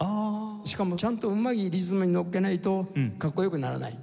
しかもちゃんとうまいリズムにのっけないとかっこよくならない。